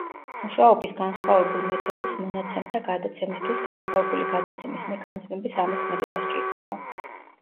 მუშაობის განსხვავებულ მეთოდებს მონაცემთა გადაცემისთვის განსხვავებული გადაცემის მექანიზმების ამოქმედება სჭირდება.